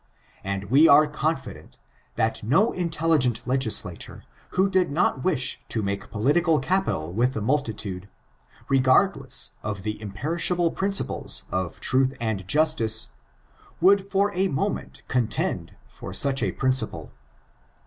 And we are confident, that no intelligent le^slator, who did not wish to make political capital with the multitude, regardless of the imperishable principles of truth and justice, would for a moment contend for such a principle.